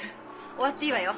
終わっていいわよ。